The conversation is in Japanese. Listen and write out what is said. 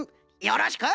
よろしく！